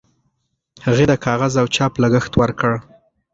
هغې د کاغذ او چاپ لګښت ورکړ.